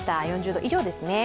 ４０度以上ですね。